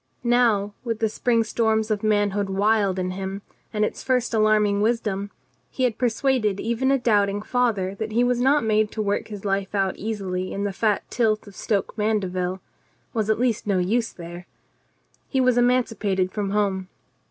Now, with the spring storms of manhood wild in him, and its first alarm ing wisdom, he had persuaded even a doubting father that he was not made to work his life out easily in the fat tilth of Stoke Mandeville — was at least no use there. He was emancipated from home.